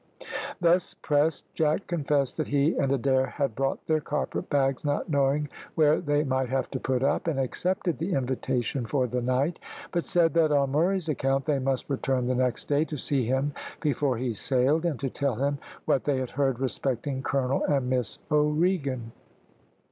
Thus pressed, Jack confessed that he and Adair had brought their carpet bags, not knowing where they might have to put up, and accepted the invitation for the night; but said that, on Murray's account, they must return the next day to see him before he sailed, and to tell him what they had heard respecting Colonel and Miss O'Regan.